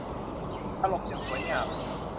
สลบอย่างสวยงาม